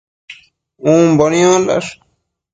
Umbo niondash